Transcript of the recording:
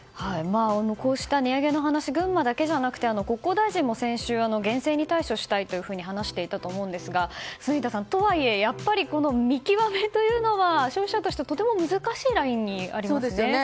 こうした値上げの話は群馬だけじゃなくて国交大臣も先週厳正に対処したいと話していたと思うんですが住田さん、とはいえ見極めというのは消費者としてはとても難しいラインにありますよね。